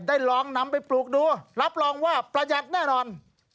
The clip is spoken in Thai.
ลองนำไปปลูกดูรับรองว่าประหยัดแน่นอน